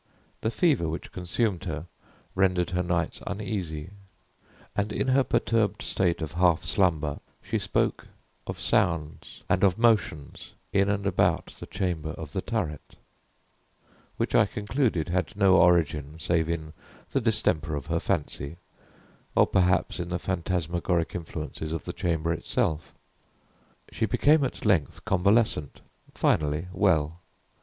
The fever which consumed her rendered her nights uneasy; and in her perturbed state of half slumber, she spoke of sounds, and of motions, in and about the chamber of the turret, which I concluded had no origin save in the distemper of her fancy, or perhaps in the phantasmagoric influences of the chamber itself. She became at length convalescent finally, well.